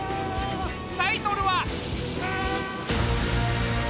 タイトルは。